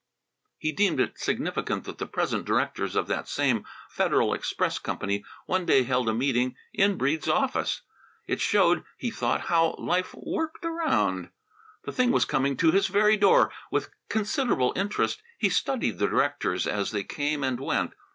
He deemed it significant that the present directors of that same Federal Express Company one day held a meeting in Breede's office. It showed, he thought, how life "worked around." The thing was coming to his very door. With considerable interest he studied the directors as they came and went.